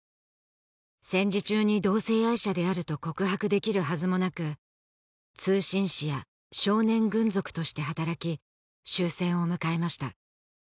戦時中に同性愛者であると告白できるはずもなく通信士や少年軍属として働き終戦を迎えました